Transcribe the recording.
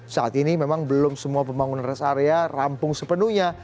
saat ini memang belum semua pembangunan rest area rampung sepenuhnya